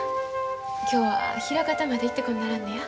今日は枚方まで行ってこんならんのや。